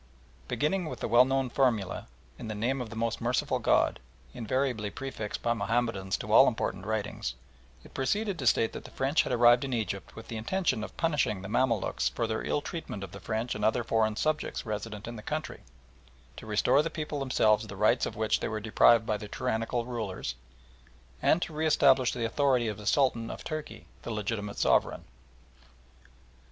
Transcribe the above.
Beginning with the well known formula, "In the name of the most merciful God," invariably prefixed by Mahomedans to all important writings, it proceeded to state that the French had arrived in Egypt with the intention of punishing the Mamaluks for their ill treatment of the French and other foreign subjects resident in the country; to restore to the people themselves the rights of which they were deprived by their tyrannical rulers, and to re establish the authority of the Sultan of Turkey, the legitimate sovereign.